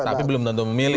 tapi belum tentu memilih